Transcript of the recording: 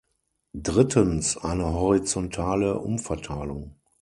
Drittens eine horizontale Umverteilung.